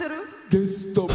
ゲストも。